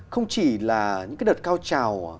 không chỉ là những cái đợt cao trào